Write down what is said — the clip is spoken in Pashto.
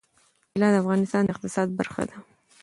طلا د افغانستان د اقتصاد برخه ده.